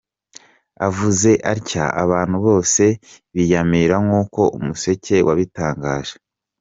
Avuze atya abantu bose biyamira nk’ uko Umuseke wabitangaje.